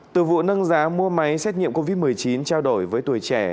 từ vụ nâng giá mua máy xét nghiệm covid một mươi chín trao đổi với tuổi trẻ